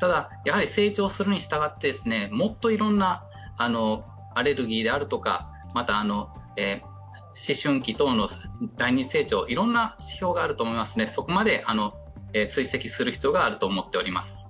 ただ、やはり成長するにしたがってもっといろんなアレルギーであるとかまた、思春期等の第二次成長、いろいろな指標があると思いますのでそこまで追跡する必要があると思っております。